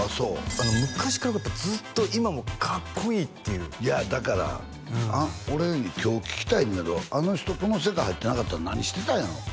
昔からずっと今もかっこいいっていういやだから俺今日聞きたいんやけどあの人この世界入ってなかったら何してたんやろう？